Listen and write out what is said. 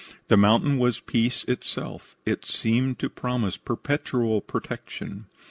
The mountain was peace itself. It seemed to promise perpetual protection.